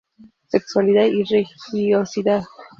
Sexualidad y religiosidad.